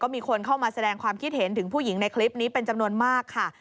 มีคนเข้ามาแสดงความคิดเห็นถึงผู้หญิงในคลิปนี้เป็นจำนวนมากค่ะ